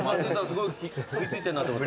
すごい食い付いてんなと思ったら。